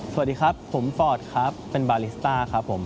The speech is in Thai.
สวัสดีครับผมฟอร์ดครับเป็นบาลิสต้าครับผม